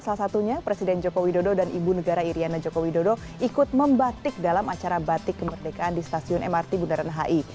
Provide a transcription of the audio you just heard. salah satunya presiden joko widodo dan ibu negara iryana joko widodo ikut membatik dalam acara batik kemerdekaan di stasiun mrt bundaran hi